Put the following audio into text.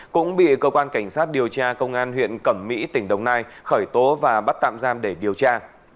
cũng bị cơ quan cảnh sát điều tra công an huyện cẩm mỹ tỉnh đồng nai khởi tố và bắt tạm giam để điều tra